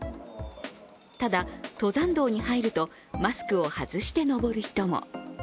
ただ、登山道に入るとマスクを外して登る人も。